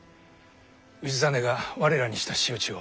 氏真が我らにした仕打ちを。